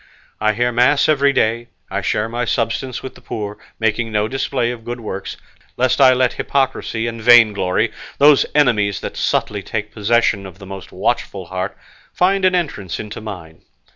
I hear mass every day; I share my substance with the poor, making no display of good works, lest I let hypocrisy and vainglory, those enemies that subtly take possession of the most watchful heart, find an entrance into mine.